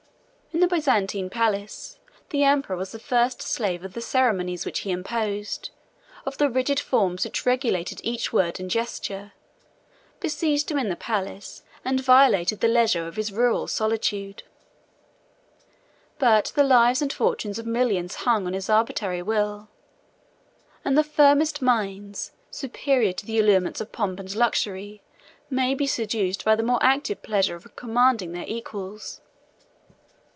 ] In the Byzantine palace, the emperor was the first slave of the ceremonies which he imposed, of the rigid forms which regulated each word and gesture, besieged him in the palace, and violated the leisure of his rural solitude. But the lives and fortunes of millions hung on his arbitrary will; and the firmest minds, superior to the allurements of pomp and luxury, may be seduced by the more active pleasure of commanding their equals.